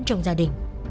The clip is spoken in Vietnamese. trong gia đình